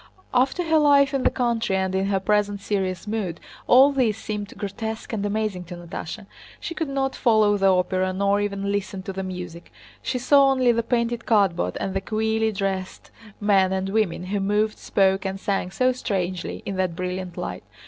After her life in the country, and in her present serious mood, all this seemed grotesque and amazing to Natásha. She could not follow the opera nor even listen to the music; she saw only the painted cardboard and the queerly dressed men and women who moved, spoke, and sang so strangely in that brilliant light.